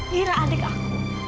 mira adik aku